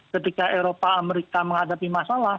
ketika eropa amerika menghadapi masalah